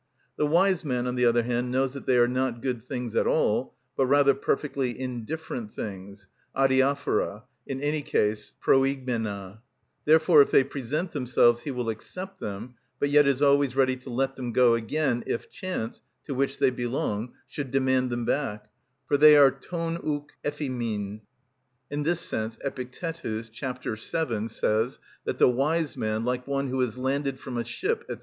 The wise man, on the other hand, knows that they are not good things at all, but rather perfectly indifferent things, αδιαφορα, in any case προηγμενα. Therefore if they present themselves he will accept them, but yet is always ready to let them go again, if chance, to which they belong, should demand them back; for they are των ουκ εφ᾽ ἡμιν. In this sense, Epictetus, chap. vii., says that the wise man, like one who has landed from a ship, &c.